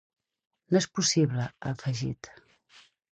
No és possible, ha afegit.